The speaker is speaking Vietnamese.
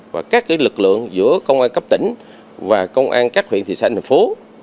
và các lực lượng giữa công an cấp tỉnh và công an các huyện thị xã thành phố